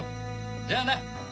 じゃあな。